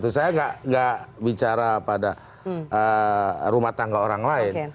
saya tidak bicara pada rumah tangga orang lain